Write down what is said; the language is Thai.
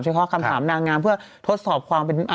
เคาะคำถามนางงามเพื่อทดสอบความเป็น